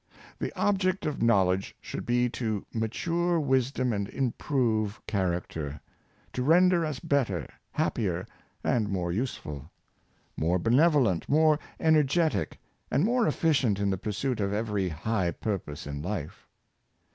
The object of knowledge should be to ma ture wisdom and improve character, to render us bet ter, happier, and more useful; more benevolent, more energetic, and more efficient in the pursuit of every high purpose in life.